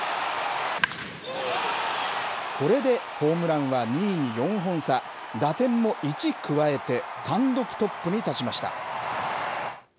これでホームランは２位に４本差、打点も１加えて、単独トップに立ちました。